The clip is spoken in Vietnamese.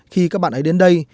khi các bạn ấy đến đây